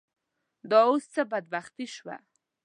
دا اوس څه بدبختي شوه.